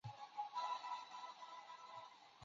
锥唇吻沙蚕为吻沙蚕科吻沙蚕属的动物。